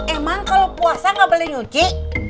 emang kalau puasa gak boleh nyuci